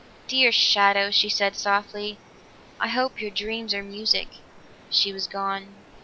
"Dear shadow," she said softly, "I hope your dreams are music." She was gone.